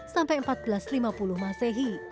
sampai seribu empat ratus lima puluh masehi